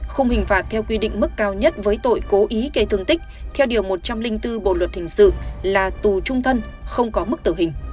khung hình phạt theo quy định mức cao nhất với tội cố ý gây thương tích theo điều một trăm linh bốn bộ luật hình sự là tù trung thân không có mức tử hình